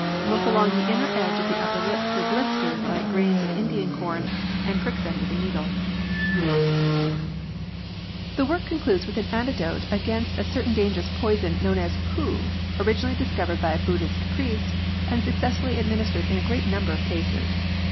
Look along the inner edge of the upper lips for blisters like grains of Indian corn, and prick them with a needle." I90 INQUESTS, NO. IL The work concludes with an antidote against a certain dangerous poison known as Ku, originally discovered by a Buddhist priest and successfully administered in a great number of cases.